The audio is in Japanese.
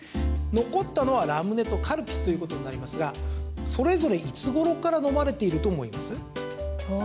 残ったのはラムネとカルピスということになりますがそれぞれいつ頃から飲まれていると思います？